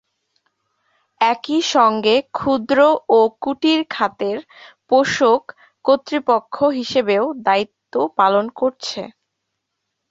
একই সঙ্গে ক্ষুদ্র ও কুটির খাতের পোষক কর্তৃপক্ষ হিসাবেও দায়িত্ব পালন করছে।